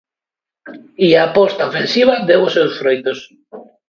E a aposta ofensiva deu os seus froitos.